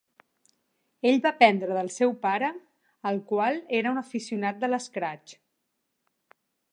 Ell va aprendre del seu pare, el qual era un aficionat al "scratch".